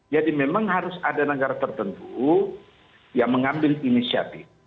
jadi memang harus ada negara tertentu yang mengambil inisiatif